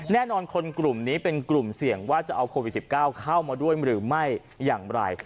แน่นอนคนกลุ่มนี้เป็นกลุ่มเสี่ยงว่าจะเอาโควิด๑๙เข้ามาด้วยหรือไม่อย่างไร